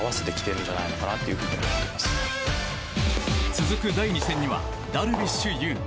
続く第２戦にはダルビッシュ有。